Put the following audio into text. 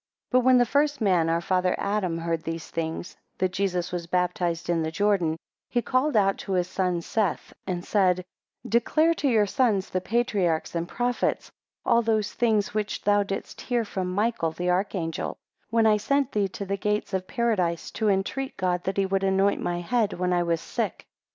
BUT when the first man our father Adam heard these things, that Jesus was baptized in Jordan, he called out to his son Seth, and said, 2 Declare to your sons, the patriarchs and prophets, all those things, which thou didst hear from Michael, the archangel, when I sent thee to the gates of Paradise, to entreat God that he would anoint my head when I was sick.